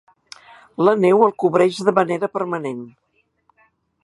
La neu el cobreix de manera permanent.